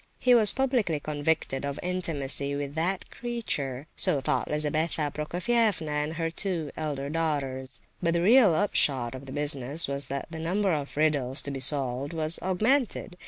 He was publicly convicted of intimacy with "that creature." So thought Lizabetha Prokofievna and her two elder daughters. But the real upshot of the business was that the number of riddles to be solved was augmented.